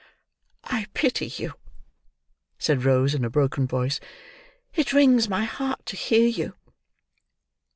"I pity you!" said Rose, in a broken voice. "It wrings my heart to hear you!"